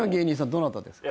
どなたですか。